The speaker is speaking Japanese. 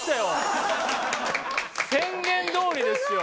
宣言どおりですよ。